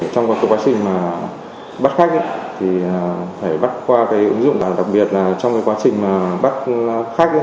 trong các cái quá trình mà bắt khách ấy thì phải bắt qua cái ứng dụng đặc biệt là trong cái quá trình mà bắt khách ấy